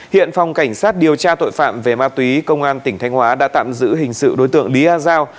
hiện phòng cảnh sát điều tra tội phạm về ma túy công an tỉnh thanh hóa đã tạm giữ hình sự đối tượng lý a giao